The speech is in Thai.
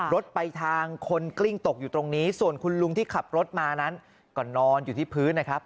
รถไปทางคนกลิ้งตกอยู่ตรงนี้ส่วนคุณลุงที่ขับรถมานั้นก็นอนอยู่ที่พื้นนะครับ